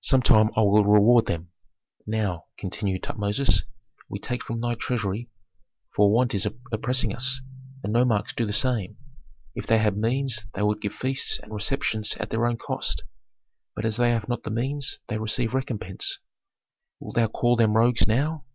"Some time I will reward them." "Now," continued Tutmosis, "we take from thy treasury, for want is oppressing us; the nomarchs do the same. If they had means they would give feasts and receptions at their own cost; but as they have not the means they receive recompense. Wilt thou call them rogues now?"